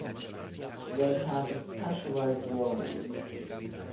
They have specialized roles.